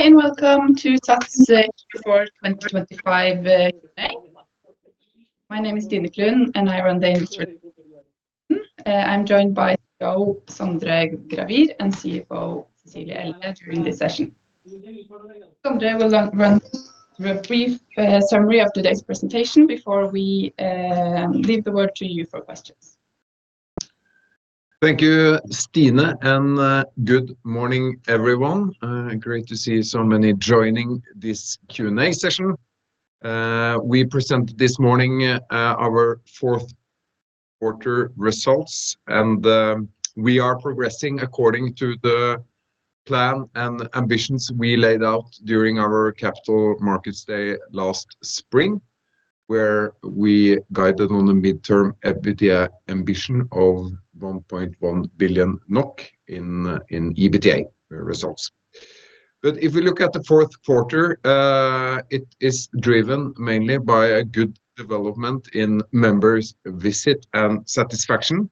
Hi, and welcome to SATS Q4 2025 Q&A. My name is Stine Klund, and I run the IR. I'm joined by CEO Sondre Gravir and CFO Cecilie Elde during this session. Sondre will run through a brief summary of today's presentation before we leave the word to you for questions. Thank you, Stine, and good morning, everyone. Great to see so many joining this Q&A session. We presented this morning our fourth quarter results, and we are progressing according to the plan and ambitions we laid out during our Capital Markets Day last spring, where we guided on the midterm EBITDA ambition of 1.1 billion NOK in EBITDA results. But if we look at the fourth quarter, it is driven mainly by a good development in members' visit and satisfaction.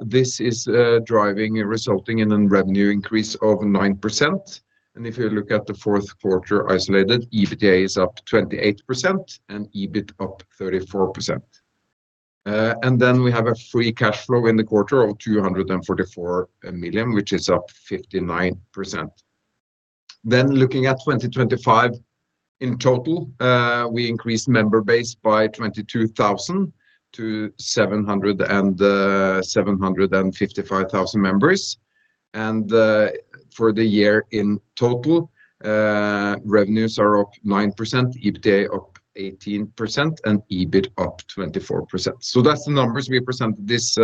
This is driving and resulting in a revenue increase of 9%. And if you look at the fourth quarter, isolated, EBITDA is up 28% and EBIT up 34%. And then we have a free cash flow in the quarter of 244 million, which is up 59%. Then looking at 2025, in total, we increased member base by 22,000 to 755,000 members. For the year, in total, revenues are up 9%, EBITDA up 18% and EBIT up 24%. So that's the numbers we presented this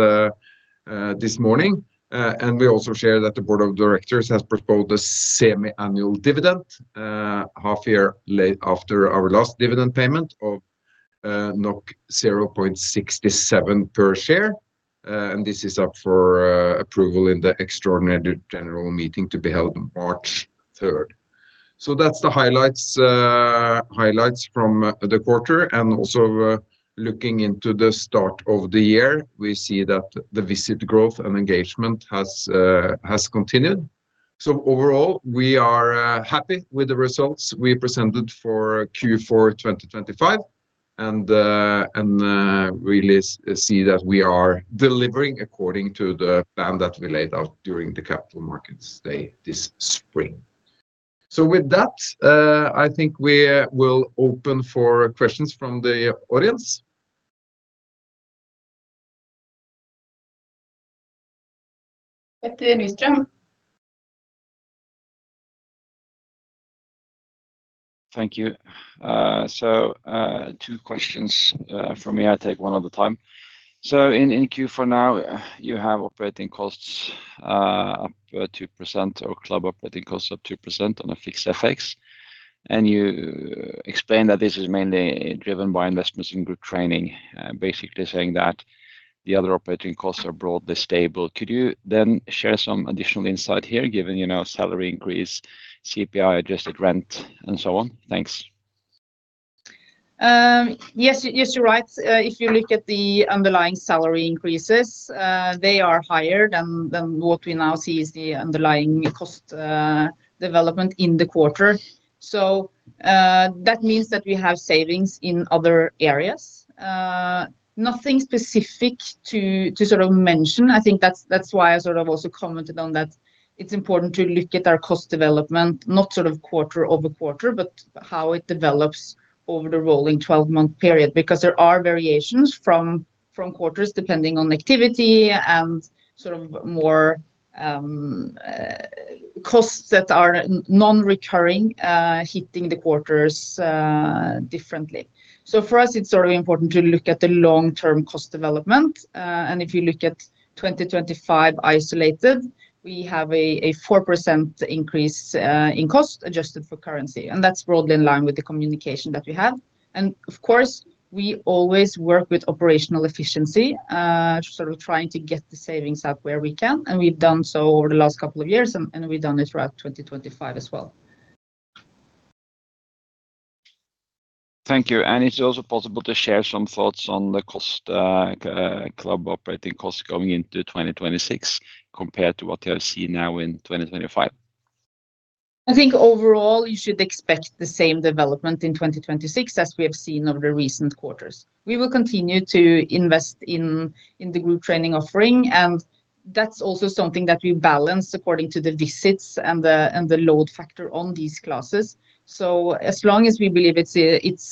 morning. And we also share that the board of directors has proposed a semi-annual dividend, half year after our last dividend payment of 0.67 per share. And this is up for approval in the Extraordinary General Meeting to be held March third. So that's the highlights from the quarter. And also, looking into the start of the year, we see that the visit growth and engagement has continued. So overall, we are happy with the results we presented for Q4 2025, and really see that we are delivering according to the plan that we laid out during the Capital Markets Day this spring. So with that, I think we will open for questions from the audience. Petter Nystrøm. Thank you. So, two questions from me. I'll take one at a time. So in Q4 now, you have operating costs up 2%, or club operating costs up 2% on a fixed FX. And you explain that this is mainly driven by investments in group training, basically saying that the other operating costs are broadly stable. Could you then share some additional insight here, given, you know, salary increase, CPI-adjusted rent, and so on? Thanks. Yes, yes, you're right. If you look at the underlying salary increases, they are higher than what we now see is the underlying cost development in the quarter. So, that means that we have savings in other areas. Nothing specific to sort of mention. I think that's why I sort of also commented on that it's important to look at our cost development, not sort of quarter-over-quarter, but how it develops over the rolling twelve-month period, because there are variations from quarters, depending on activity and sort of more costs that are non-recurring, hitting the quarters differently. So for us, it's sort of important to look at the long-term cost development. And if you look at 2025 isolated, we have a 4% increase in cost, adjusted for currency, and that's broadly in line with the communication that we had. And of course, we always work with operational efficiency, sort of trying to get the savings up where we can, and we've done so over the last couple of years, and we've done it throughout 2025 as well. Thank you. And is it also possible to share some thoughts on the cost, club operating costs going into 2026 compared to what you have seen now in 2025? I think overall, you should expect the same development in 2026 as we have seen over the recent quarters. We will continue to invest in the group training offering, and that's also something that we balance according to the visits and the load factor on these classes. So as long as we believe it's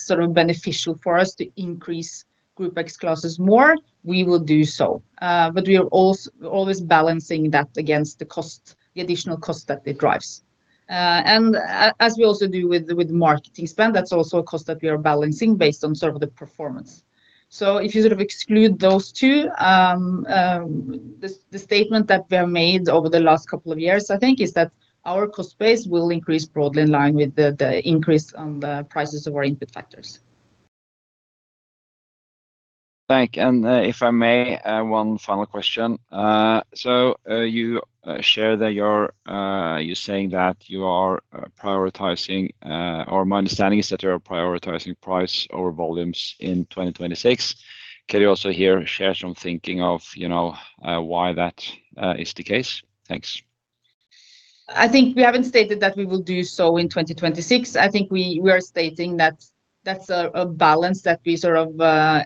sort of beneficial for us to increase Group X classes more, we will do so. But we are always balancing that against the cost, the additional cost that it drives. And as we also do with marketing spend, that's also a cost that we are balancing based on sort of the performance. So if you sort of exclude those two, the statement that were made over the last couple of years, I think, is that our cost base will increase broadly in line with the increase on the prices of our input factors. Thank you. And, if I may, one final question. So, you share that you're... You're saying that you are prioritizing, or my understanding is that you are prioritizing price over volumes in 2026. Can you also here share some thinking of, you know, why that is the case? Thanks.... I think we haven't stated that we will do so in 2026. I think we are stating that that's a balance that we sort of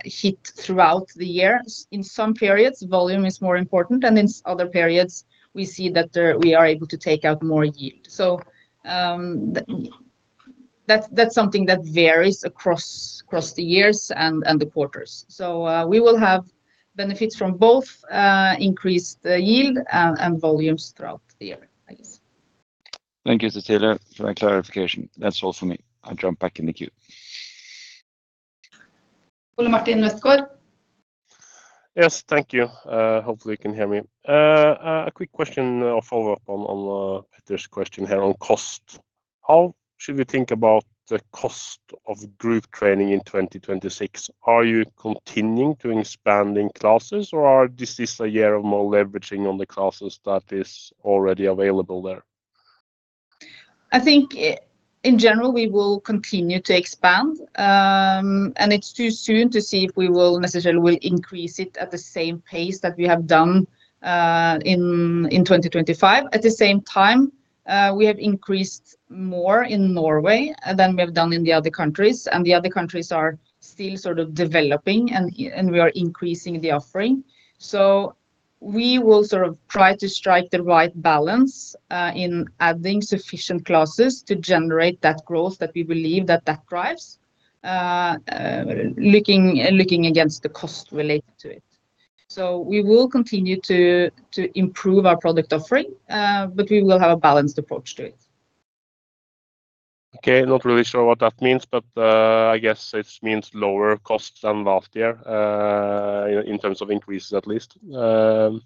hit throughout the year. In some periods, volume is more important, and in other periods, we see that we are able to take out more yield. So, that's something that varies across the years and the quarters. So, we will have benefits from both increased yield and volumes throughout the year, I guess. Thank you, Cecilie, for that clarification. That's all for me. I jump back in the queue. Ole Martin Westgaard. Yes, thank you. Hopefully you can hear me. A quick question or follow-up on Petter's question here on cost. How should we think about the cost of group training in 2026? Are you continuing to expand in classes, or are... this is a year of more leveraging on the classes that is already available there? I think in general, we will continue to expand. It's too soon to see if we will necessarily increase it at the same pace that we have done in 2025. At the same time, we have increased more in Norway than we have done in the other countries, and the other countries are still sort of developing, and we are increasing the offering. So we will sort of try to strike the right balance in adding sufficient classes to generate that growth that we believe that drives, looking against the cost related to it. So we will continue to improve our product offering, but we will have a balanced approach to it. Okay, not really sure what that means, but, I guess it means lower cost than last year, in terms of increases at least. And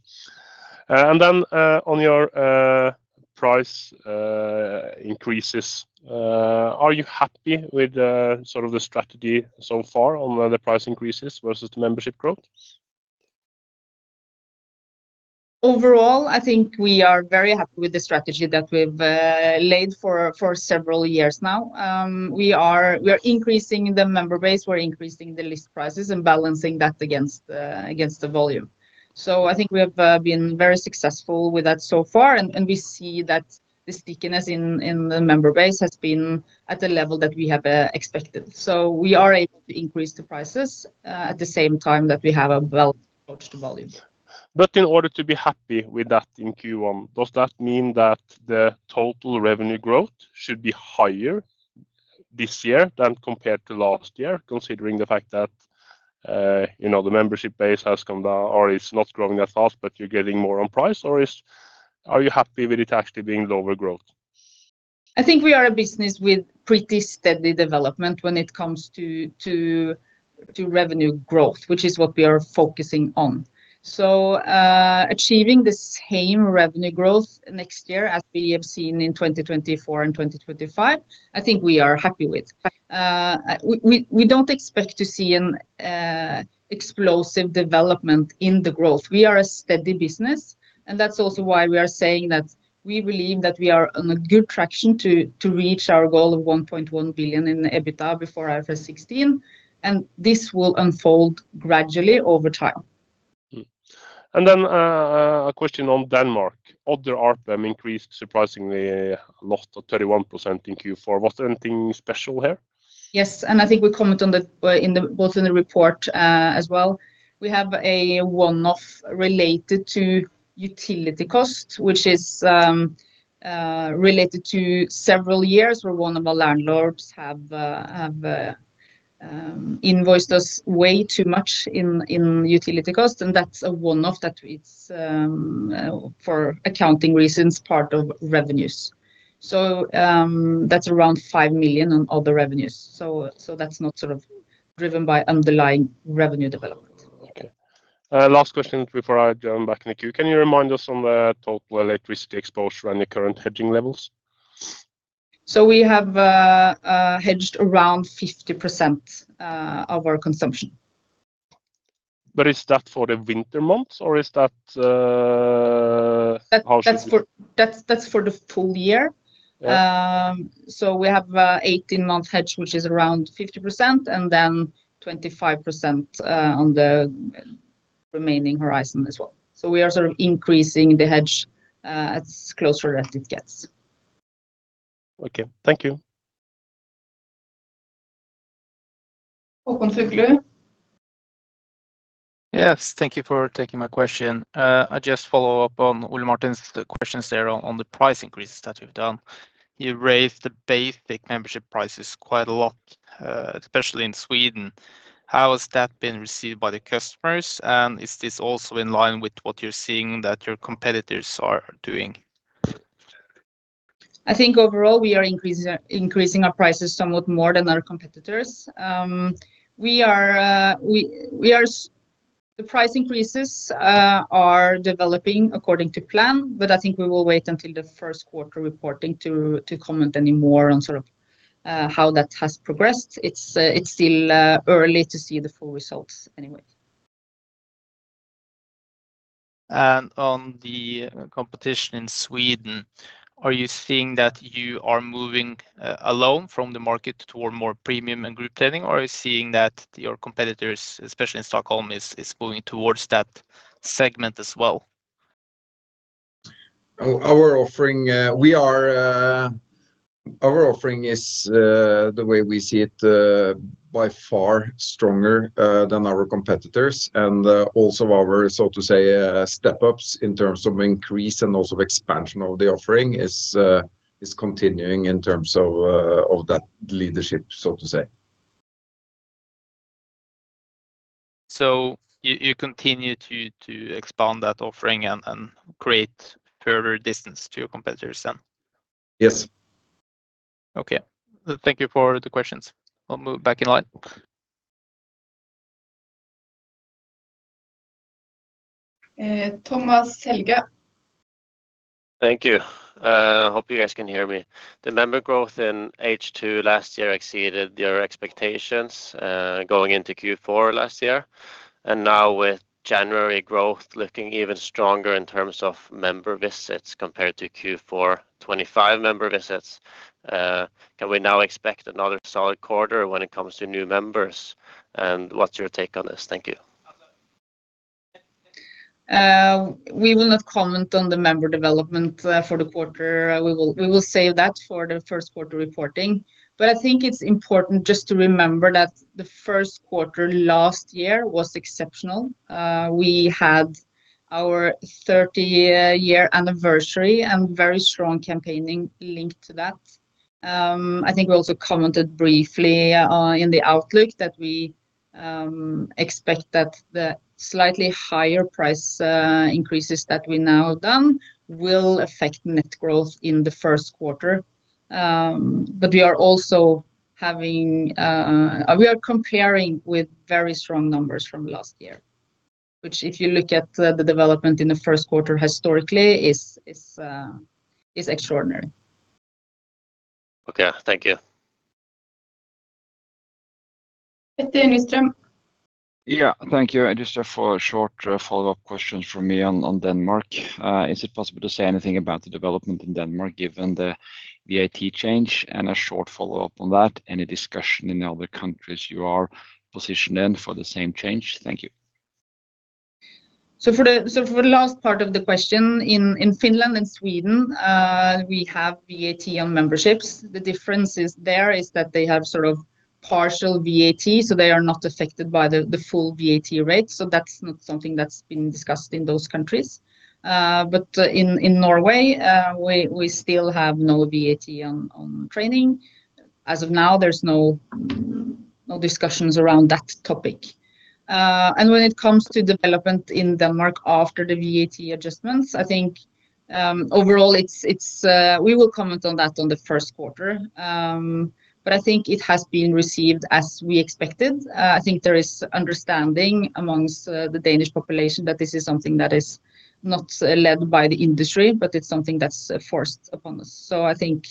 then, on your, price, increases, are you happy with, sort of the strategy so far on the price increases versus the membership growth? Overall, I think we are very happy with the strategy that we've laid for several years now. We are increasing the member base, we're increasing the list prices and balancing that against the volume. So I think we have been very successful with that so far, and we see that the stickiness in the member base has been at the level that we have expected. So we are able to increase the prices at the same time that we have a well approach to volume. But in order to be happy with that in Q1, does that mean that the total revenue growth should be higher this year than compared to last year? Considering the fact that, you know, the membership base has come down or is not growing as fast, but you're getting more on price, or is... Are you happy with it actually being lower growth? I think we are a business with pretty steady development when it comes to to revenue growth, which is what we are focusing on. Achieving the same revenue growth next year as we have seen in 2024 and 2025, I think we are happy with. We don't expect to see an explosive development in the growth. We are a steady business, and that's also why we are saying that we believe that we are on a good traction to reach our goal of 1.1 billion in the EBITDA before IFRS 16, and this will unfold gradually over time. And then, a question on Denmark. Other RPM increased surprisingly a lot, to 31% in Q4. Was there anything special here? Yes, and I think we comment on the, in the... both in the report, as well. We have a one-off related to utility cost, which is, related to several years, where one of our landlords have, have, invoiced us way too much in, in utility costs, and that's a one-off that it's, for accounting reasons, part of revenues. So, that's around 5 million on other revenues, so, so that's not sort of driven by underlying revenue development. Last question before I join back in the queue. Can you remind us on the total electricity exposure and the current hedging levels? We have hedged around 50% of our consumption. But is that for the winter months, or is that, how should we- That's for the full year. Yeah. So we have a 18-month hedge, which is around 50%, and then 25% on the remaining horizon as well. So we are sort of increasing the hedge, as closer as it gets. Okay. Thank you. Yes, thank you for taking my question. I just follow up on Ole Martin's questions there on the price increases that you've done. You raised the basic membership prices quite a lot, especially in Sweden. How has that been received by the customers, and is this also in line with what you're seeing that your competitors are doing? I think overall, we are increasing our prices somewhat more than our competitors. The price increases are developing according to plan, but I think we will wait until the first quarter reporting to comment any more on sort of how that has progressed. It's still early to see the full results anyway. On the competition in Sweden, are you seeing that you are moving alone from the market toward more premium and group training, or are you seeing that your competitors, especially in Stockholm, is moving toward that segment as well? Our offering, our offering is the way we see it by far stronger than our competitors, and also our so to say step-ups in terms of increase and also expansion of the offering is continuing in terms of that leadership, so to say. So you continue to expand that offering and create further distance to your competitors then? Yes. Okay. Thank you for the questions. I'll move back in line. Thomas Helgø. Thank you. Hope you guys can hear me. The member growth in H2 last year exceeded your expectations, going into Q4 last year, and now with January growth looking even stronger in terms of member visits compared to Q4 25 member visits. Can we now expect another solid quarter when it comes to new members, and what's your take on this? Thank you. We will not comment on the member development for the quarter. We will, we will save that for the first quarter reporting. But I think it's important just to remember that the first quarter last year was exceptional. We had our 30-year anniversary and very strong campaigning linked to that. I think we also commented briefly in the outlook that we expect that the slightly higher price increases that we've now done will affect net growth in the first quarter. But we are also having. We are comparing with very strong numbers from last year, which if you look at the, the development in the first quarter historically, is, is, is extraordinary. Okay. Thank you. Petter Nystrøm. Yeah, thank you. And just a few short follow-up questions from me on Denmark. Is it possible to say anything about the development in Denmark, given the VAT change? And a short follow-up on that, any discussion in other countries you are positioned in for the same change? Thank you. For the last part of the question, in Finland and Sweden, we have VAT on memberships. The difference is there is that they have sort of partial VAT, so they are not affected by the full VAT rate, so that's not something that's been discussed in those countries. But in Norway, we still have no VAT on training. As of now, there's no discussions around that topic. And when it comes to development in Denmark after the VAT adjustments, I think, overall, it's we will comment on that on the first quarter. But I think it has been received as we expected. I think there is understanding amongst the Danish population that this is something that is not led by the industry, but it's something that's forced upon us. So I think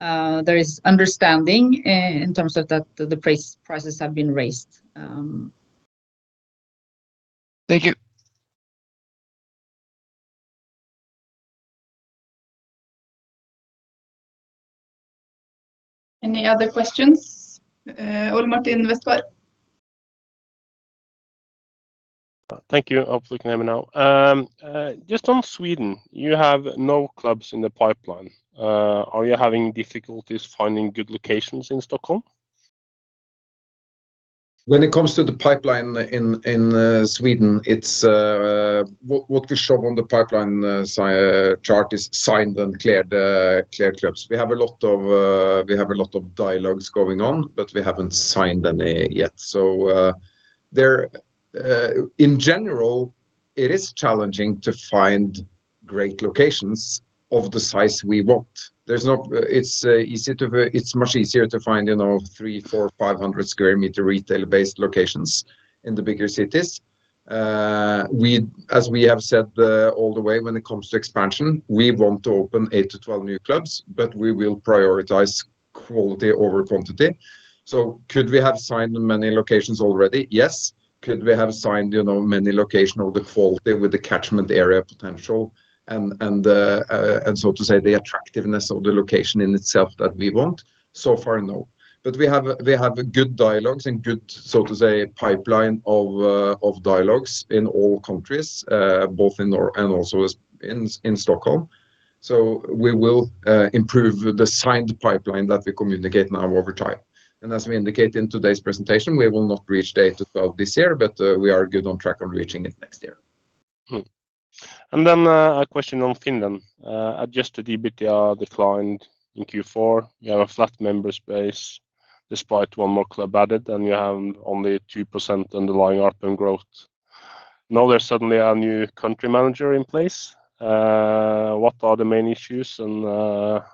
there is understanding in terms of that, the price, prices have been raised. Thank you. Any other questions? Ole Martin Westgaard. Thank you. Hopefully you can hear me now. Just on Sweden, you have no clubs in the pipeline. Are you having difficulties finding good locations in Stockholm? When it comes to the pipeline in Sweden, it's what we show on the pipeline size chart is signed and cleared clubs. We have a lot of dialogues going on, but we haven't signed any yet. So, in general, it is challenging to find great locations of the size we want. It's much easier to find, you know, 300, 400, 500 square meter retail-based locations in the bigger cities. As we have said all the way when it comes to expansion, we want to open 8-12 new clubs, but we will prioritize quality over quantity. So could we have signed many locations already? Yes. Could we have signed, you know, many locations of the quality with the catchment area potential and, so to say, the attractiveness of the location in itself that we want? So far, no. But we have good dialogues and good, so to say, pipeline of dialogues in all countries, both in Norway and also in Stockholm. So we will improve the signed pipeline that we communicate now over time. And as we indicate in today's presentation, we will not reach 8-12 this year, but we are good on track on reaching it next year. Hmm. And then, a question on Finland. Adjusted EBITDA declined in Q4. You have a flat member space despite one more club added, and you have only 2% underlying ARPU growth. Now, there's suddenly a new country manager in place. What are the main issues, and how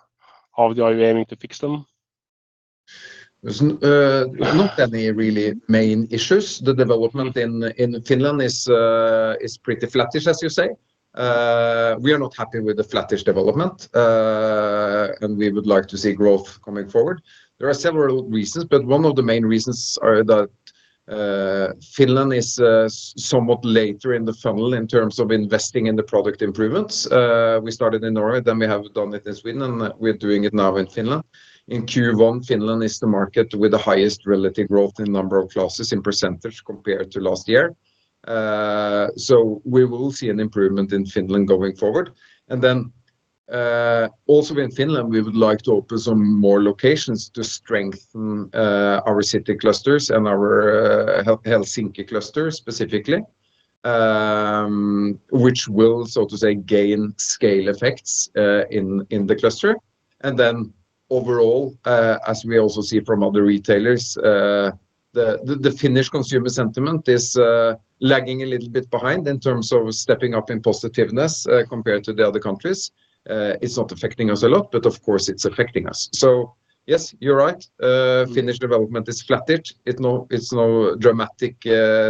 are you aiming to fix them? There's not any really main issues. The development in Finland is pretty flattish, as you say. We are not happy with the flattish development, and we would like to see growth coming forward. There are several reasons, but one of the main reasons are that Finland is somewhat later in the funnel in terms of investing in the product improvements. We started in Norway, then we have done it in Sweden, and we're doing it now in Finland. In Q1, Finland is the market with the highest relative growth in number of classes in percentage compared to last year, so we will see an improvement in Finland going forward. Also in Finland, we would like to open some more locations to strengthen our city clusters and our Helsinki cluster specifically, which will, so to say, gain scale effects in the cluster. Overall, as we also see from other retailers, the Finnish consumer sentiment is lagging a little bit behind in terms of stepping up in positiveness, compared to the other countries. It's not affecting us a lot, but of course, it's affecting us. So yes, you're right. Finnish development is flattered. It's no dramatic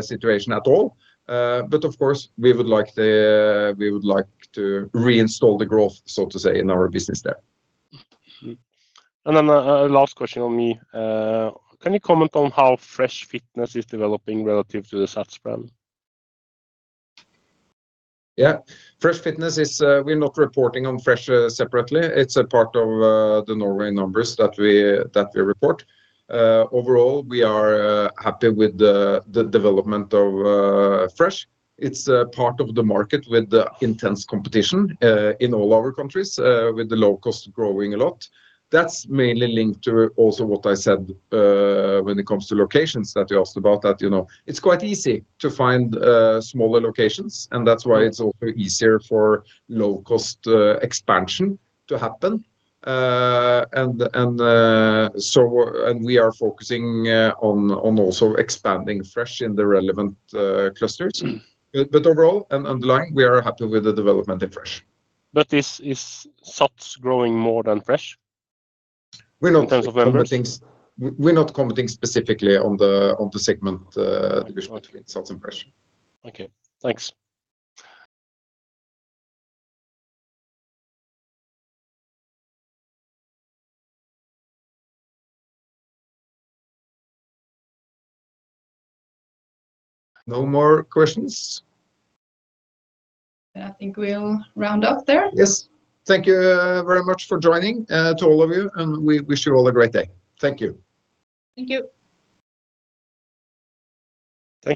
situation at all. But of course, we would like to reinstall the growth, so to say, in our business there. Mm-hmm. And then, last question on me. Can you comment on how Fresh Fitness is developing relative to the SATS brand? Yeah. Fresh Fitness is. We're not reporting on Fresh separately. It's a part of the Norway numbers that we report. Overall, we are happy with the development of Fresh. It's a part of the market with the intense competition in all our countries with the low cost growing a lot. That's mainly linked to also what I said when it comes to locations that you asked about that, you know. It's quite easy to find smaller locations, and that's why it's also easier for low-cost expansion to happen. We are focusing on also expanding Fresh in the relevant clusters. Mm. Overall, and underlying, we are happy with the development in Fresh. But is SATS growing more than Fresh- We're not-... in terms of members? We're not commenting specifically on the segment division between SATS and Fresh. Okay, thanks. No more questions? Then I think we'll round up there. Yes. Thank you, very much for joining, to all of you, and we wish you all a great day. Thank you. Thank you. Thank you.